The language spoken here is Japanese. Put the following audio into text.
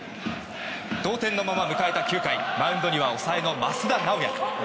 同点のまま迎えた９回マウンドには抑えの益田直也。